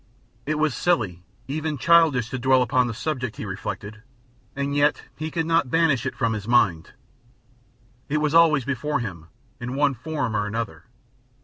It was silly, even childish, to dwell on the subject, he reflected, and yet he could not banish it from his mind. It was always before him, in one form or another.